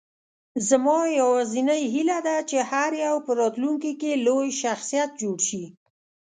زما یوازینۍ هیله ده، چې هر یو په راتلونکې کې لوی شخصیت جوړ شي.